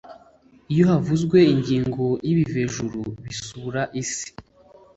Iyo havuzwe ingingo y’ibivejuru bisura isi